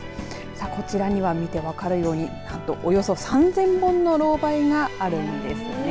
こちらには見て分かるようにおよそ３０００本のロウバイがあるんですね。